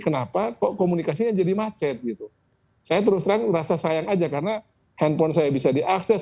kenapa kok komunikasinya jadi macet gitu saya terus terang rasa sayang aja karena handphone saya bisa diakses